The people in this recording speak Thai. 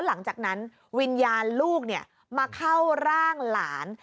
หลังจากนั้นวิญญาณลูกมาเข้าร่างหลาน